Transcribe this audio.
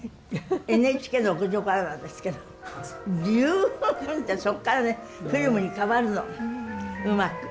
ＮＨＫの屋上からなんですけどビューンってそっからねフィルムに変わるのうまく。